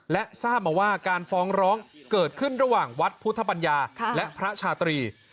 และทราบมาว่าการฟ้องร้องเกิดขึ้นระหว่างวัดพุทธปัญญาและพระชาตรี